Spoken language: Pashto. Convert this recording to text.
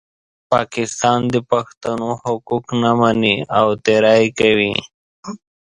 پاکستان د پښتنو حقوق نه مني او تېری کوي.